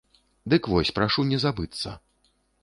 Дык вось прашу не забыцца.